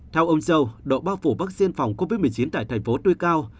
theo ông châu độ bao phủ vaccine phòng covid một mươi chín tại tp hcm tuy cao